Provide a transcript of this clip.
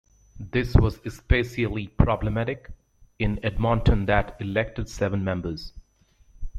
This was especially problematic, in Edmonton that elected seven members.